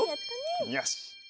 よし。